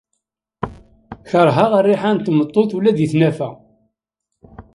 Kerheɣ rriḥa n tmeṭṭut ula di tnafa.